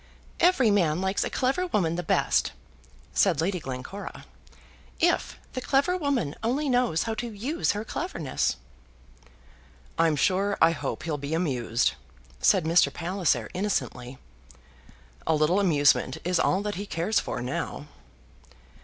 "Every man likes a clever woman the best," said Lady Glencora, "if the clever woman only knows how to use her cleverness." "I'm sure I hope he'll be amused," said Mr. Palliser innocently. "A little amusement is all that he cares for now."